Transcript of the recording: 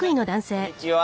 こんにちは。